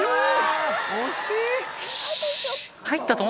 惜しい！